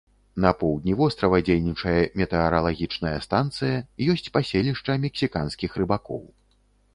На поўдні вострава дзейнічае метэаралагічная станцыя, ёсць паселішча мексіканскіх рыбакоў.